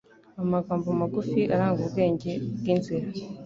Amagambo magufi aranga ubwenge bwinzira